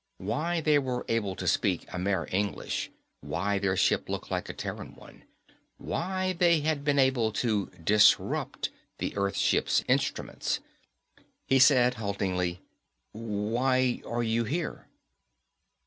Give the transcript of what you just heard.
Why they were able to speak Amer English. Why their ship looked like a Terran one. Why they had been able to 'disrupt' the Earth ships instruments. He said haltingly, "Why are you here?"